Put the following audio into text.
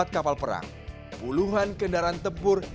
tiga puluh empat kapal perang puluhan kendaraan tempur